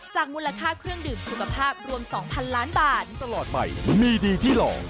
จากมูลค่าเครื่องดื่มคุณภาพรวม๒๐๐๐ล้านบาท